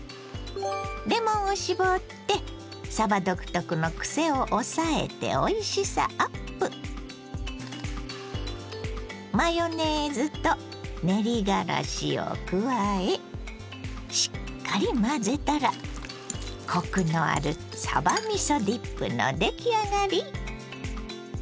レモンを搾ってさば独特のクセを抑えておいしさアップ！を加えしっかり混ぜたらコクのあるさばみそディップの出来上がり。